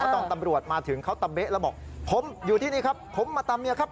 ตอนตำรวจมาถึงเขาตะเบ๊ะแล้วบอกผมอยู่ที่นี่ครับผมมาตามเมียครับ